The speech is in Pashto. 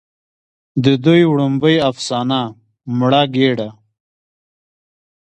د دوي وړومبۍ افسانه " مړه ګيډه